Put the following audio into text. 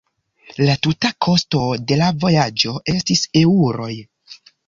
La tuta kosto de la vojaĝo estis eŭroj.